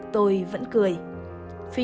tôi vẫn cười